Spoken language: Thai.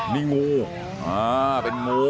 นี่งูเป็นงู